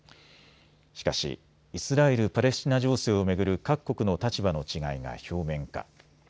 しかしイスラエル・パレスチナ情勢を巡る各国の立場の違いが表面化。